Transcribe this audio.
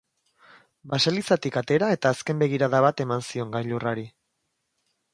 Baselizatik atera eta azken begirada bat eman zion gailurrari.